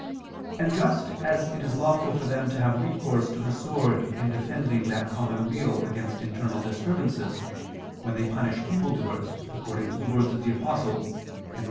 And just as it is lawful for them to have recourse to the sword in defending that common weal against internal disturbances, when they punish evil doers, according to the words of the Apostle (Rom.